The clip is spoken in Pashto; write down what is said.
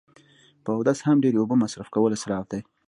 په اودس هم ډیری اوبه مصرف کول اصراف دی